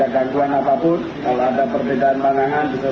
antaranya terkait warga komunis bowsan dengan keras